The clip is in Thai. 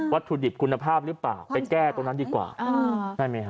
ถุดิบคุณภาพหรือเปล่าไปแก้ตรงนั้นดีกว่าได้ไหมฮะ